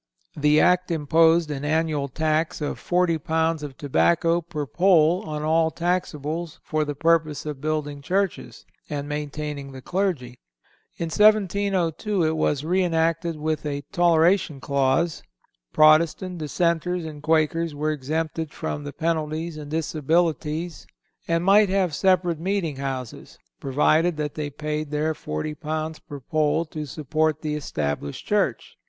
The Act imposed an annual tax of forty pounds of tobacco per poll on all taxables for the purpose of building churches, and maintaining the clergy. In 1702 it was re enacted with a toleration clause: "Protestant Dissenters and Quakers were exempted from the penalties and disabilities, and might have separate meeting houses, provided that they paid their forty pounds per poll to support the Established Church.